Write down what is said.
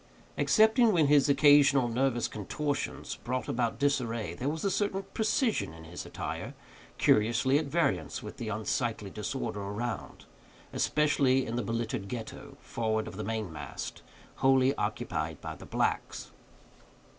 Excepting when his occasional nervous contortions brought about disarray, there was a certain precision in his attire curiously at variance with the unsightly disorder around; especially in the belittered Ghetto, forward of the main mast, wholly occupied by the blacks.